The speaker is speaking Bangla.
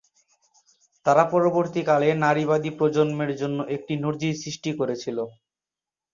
তারা পরবর্তীকালে নারীবাদী প্রজন্মের জন্য একটি নজির সৃষ্টি করেছিল।